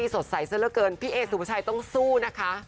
สดใสเสื้อเลือดเกินพี่เอ๋สุภาชัยต้องสู้นะคะ